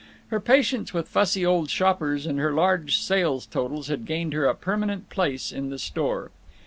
Her patience with fussy old shoppers and her large sales totals had gained her a permanent place in the store.